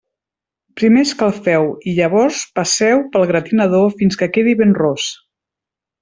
Primer escalfeu-ho i llavors passeu-ho pel gratinador fins que quedi ben ros.